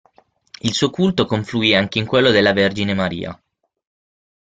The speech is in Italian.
Il suo culto confluì anche in quello della Vergine Maria.